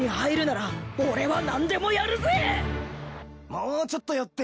もうちょっと寄って。